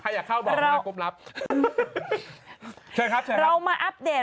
ใครอยากเข้าบอกนะครับกรุ๊ปรับช่วยครับครับเรามาอัปเดต